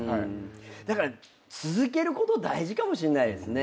だから続けること大事かもしれないですね。